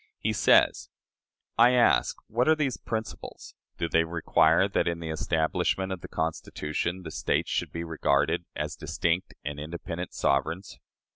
He says: "I ask, What are these principles? Do they require that, in the establishment of the Constitution, the States should be regarded as distinct and independent sovereigns?